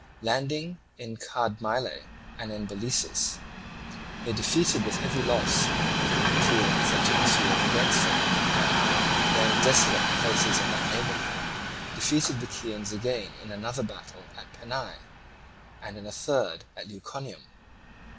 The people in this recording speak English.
Landing in Cardamyle and in Bolissus they defeated with heavy loss the Chians that took the field against them and, laying desolate the places in that neighbourhood, defeated the Chians again in another battle at Phanae, and in a third at Leuconium.